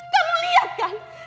kamu lihat kan